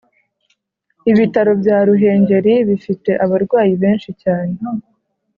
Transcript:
Ibitaro bya Ruhengeri bifite abarwayi benshi cyane